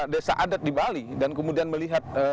desa adat di bali dan kemudian melihat